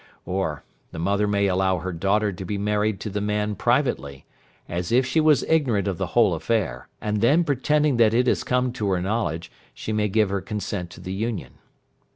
Or, the mother may allow her daughter to be married to the man privately, as if she was ignorant of the whole affair, and then pretending that it has come to her knowledge, she may give her consent to the union.